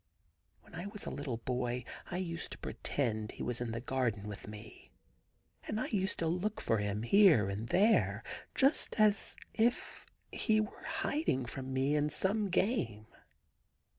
When I was a little boy I used to pretend he was in the garden with me, and I used to look for him here and there, just as if he were hiding from me in some game.